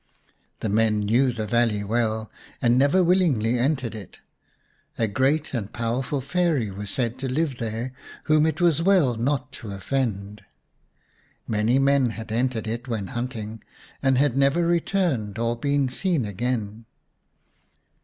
The men knew the valley well, and never willingly entered it. A great and powerful Fairy was said to live there whom it was well not to offend. Many men had entered it when hunting, and had never returned or been seen again.